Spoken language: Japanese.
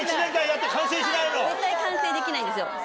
絶対完成できないんですよ。